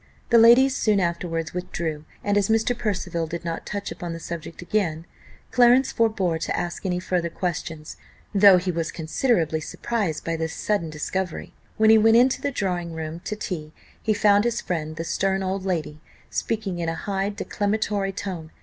The ladies soon afterwards withdrew, and as Mr. Percival did not touch upon the subject again, Clarence forbore to ask any further questions, though he was considerably surprised by this sudden discovery. When he went into the drawing room to tea, he found his friend, the stern old lady, speaking in a high declamatory tone.